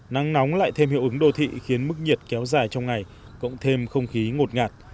nắng nóng lại thêm hiệu ứng đô thị khiến mức nhiệt kéo dài trong ngày cộng thêm không khí ngột ngạt